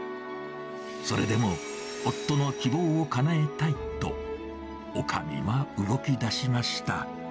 それでも、夫の希望をかなえたいと、おかみは動きだしました。